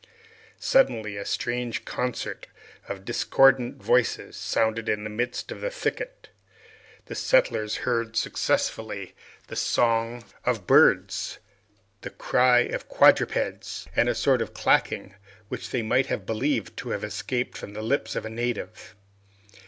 Suddenly, a strange concert of discordant voices resounded in the midst of a thicket. The settlers heard successively the song of birds, the cry of quadrupeds, and a sort of clacking which they might have believed to have escaped from the lips of a native.